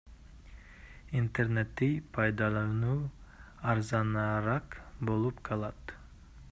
Интернетти пайдалануу арзаныраак болуп калат.